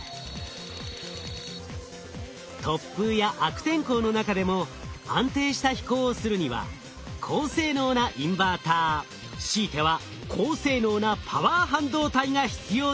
突風や悪天候の中でも安定した飛行をするには高性能なインバーターしいては高性能なパワー半導体が必要なのです。